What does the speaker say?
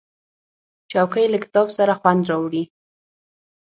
چوکۍ له کتاب سره خوند راوړي.